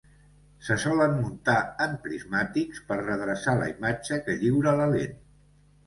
Se solen muntar en prismàtics per redreçar la imatge que lliura la lent.